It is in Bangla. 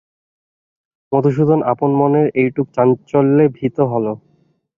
মধুসূদন আপন মনের এইটুকু চাঞ্চল্যে ভীত হল।